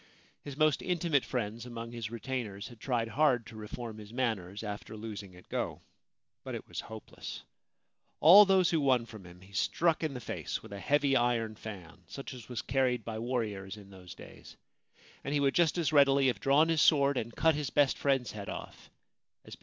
His most intimate friends among his retainers had tried hard to reform his manners after losing at go ; but it was hopeless. All those who won from him he struck in the face with a heavy iron fan, such as was carried by warriors in those days ; and he would just as readily have drawn his sword and cut his best friend's head off as be interfered with on those occasions.